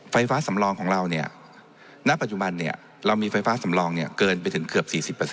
ไฟฟ้าสำรองของเราเนี่ยณปัจจุบันเนี่ยเรามีไฟฟ้าสำรองเนี่ยเกินไปถึงเกือบ๔๐